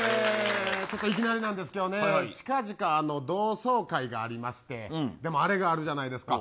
いきなりなんですけどね近々、同窓会がありましてあれがあるじゃないですか。